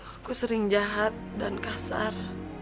aku sering jahat dan kasar